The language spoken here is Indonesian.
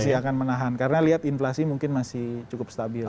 masih akan menahan karena lihat inflasi mungkin masih cukup stabil